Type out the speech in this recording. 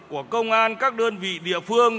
của công an các đơn vị địa phương